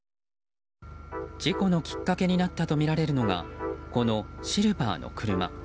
事故のきっかけになったとみられるのが、このシルバーの車。